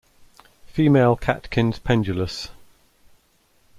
Female catkins pendulous.